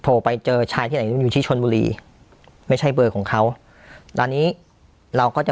โทรไปเจอชายที่ไหนมันอยู่ที่ชนบุรีไม่ใช่เบอร์ของเขาตอนนี้เราก็จะ